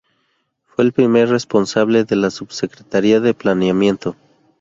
Fue el primer responsable de la Subsecretaría de Planeamiento.